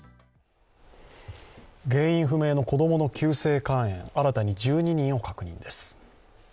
原因不明の子供の急性肝炎、新たに１２人を確認です。